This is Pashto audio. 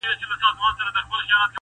وچ ډنګر وو له کلونو ژړ زبېښلی-